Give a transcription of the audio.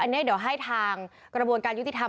อันนี้เดี๋ยวให้ทางกระบวนการยุติธรรม